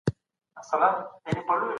په تعلیمي مرکزونو کې پوهه شریکېږي.